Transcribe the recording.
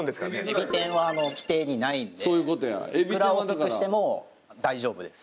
エビ天は規定にないのでいくら大きくしても大丈夫です。